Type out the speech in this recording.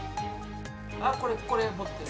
あこれ持ってる。